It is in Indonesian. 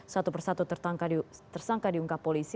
satu persatu tersangka diungkap polisi